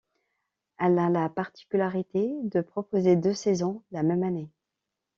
Elle a la particularité de proposer deux saisons la même année.